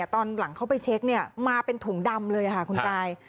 ตอนหลังเขาไปเช็คมาเป็นถุงดำเลยค่ะคุณกาย